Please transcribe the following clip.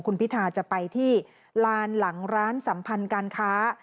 คุณพิธาจะไปที่ลานหลังร้านสัมพันธ์การค้า